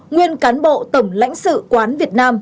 nguyên cán bộ tổng lãnh sự quán việt nam